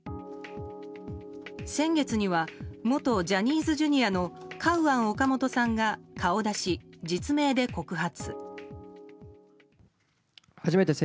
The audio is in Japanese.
先月には元ジャニーズＪｒ．のカウアン・オカモトさんが顔出し実名で告発。